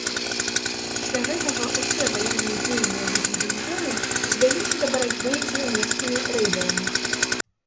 Пасля гэтага ўсе ваенныя дзеянні ў гэтым рэгіёне звяліся да барацьбы з нямецкімі рэйдэрамі.